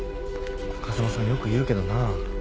風間さんよく言うけどな。